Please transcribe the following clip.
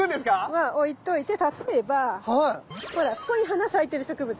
まあ置いといて例えばほらここに花咲いてる植物がいる。